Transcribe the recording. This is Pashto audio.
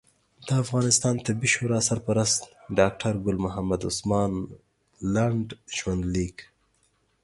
د افغانستان طبي شورا سرپرست ډاکټر ګل محمد عثمان لنډ ژوند لیک